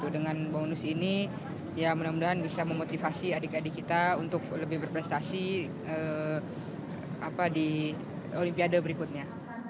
dengan bonus ini ya mudah mudahan bisa memotivasi adik adik kita untuk lebih berprestasi di olimpiade berikutnya